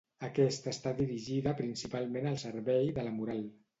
Aquesta està dirigida principalment al servei de la moral.